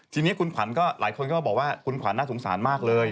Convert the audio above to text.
ทีนี้คุณขวัญก็หลายคนก็บอกว่าคุณขวัญน่าสงสารมากเลย